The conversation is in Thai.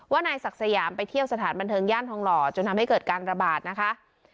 นายศักดิ์สยามไปเที่ยวสถานบันเทิงย่านทองหล่อจนทำให้เกิดการระบาดนะคะ